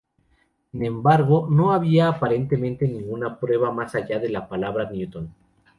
Sin embargo, no había aparentemente ninguna prueba más allá de la palabra de Newton.